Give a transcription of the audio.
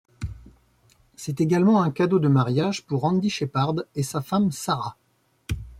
C'est également un cadeau de mariage pour Andy Sheppard et sa femme Sara.